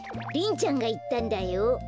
リンちゃんがいったんだよ。